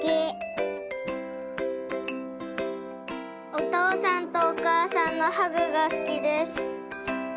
お父さんとお母さんのハグが好きです。